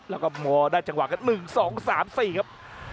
และมออได้จังหวัง๑๒๓๔ครับ